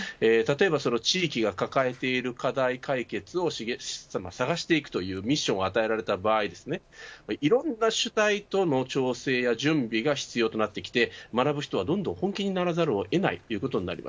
例えば地域が抱えている課題解決を探していくというミッションを与えられた場合いろんな主体との調整や準備が必要となって、学ぶ人はどんどん本気にならざるを得ないです。